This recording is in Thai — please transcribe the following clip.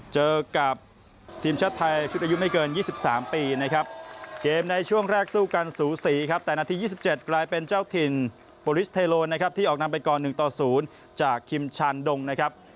เจอกับทีมชาติไทยชุดอายุไม่เกิน๒๓ปีนะครับ